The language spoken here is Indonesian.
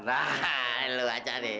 nah lu aja deh